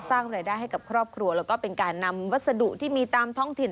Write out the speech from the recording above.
สร้างรายได้ให้กับครอบครัวแล้วก็เป็นการนำวัสดุที่มีตามท้องถิ่น